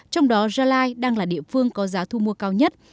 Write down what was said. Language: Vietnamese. trong đó gia lai đang là địa phương có giá thu mua cao nhất